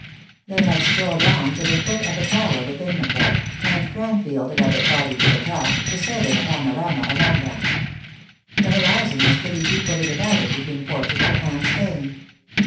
They had strolled on to the foot of a tower within the fort, and Cranfield led the party to the top to survey the panorama around them. The horizon was pretty equally divided between Portugal and Spain.